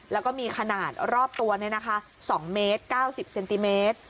แล้วก็มีขนาดรอบตัว๒เมตร๙๐เซนติเมตร